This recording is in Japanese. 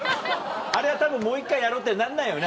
あれはたぶんもう１回やろうってなんないよね